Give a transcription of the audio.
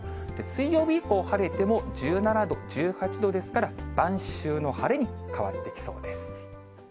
水曜日以降、晴れても１７度、１８度ですから、晩秋の晴れに変わってきそうです。